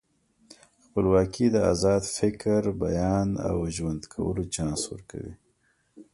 خپلواکي د ازاد فکر، بیان او ژوند کولو چانس ورکوي.